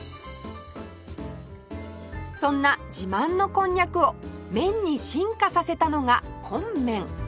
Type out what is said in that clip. そんな自慢のこんにゃくを麺に進化させたのが蒟麺